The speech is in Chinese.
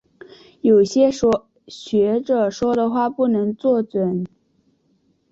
有些学者说的话不能做准。